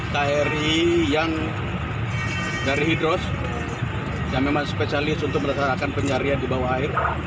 kri yang dari hidros yang memang spesialis untuk melaksanakan pencarian di bawah air